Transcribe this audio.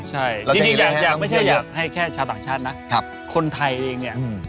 ใช่จริงอยากไม่ใช่อยากให้แค่ชาวต่างชาตินะคนไทยเองเนี่ย